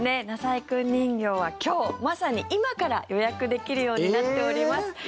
なさいくん人形は今日、まさに今から予約できるようになっております。